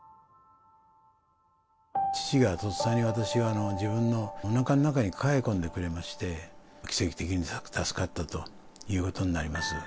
父がとっさに私を、自分のおなかの中に抱え込んでくれまして、奇跡的に助かったということになります。